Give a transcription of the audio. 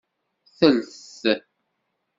Telt.